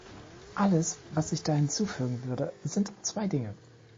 Alles, was ich da hinzufügen würde, sind zwei Dinge.